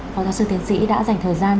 phó giáo sư tiến sĩ đã dành thời gian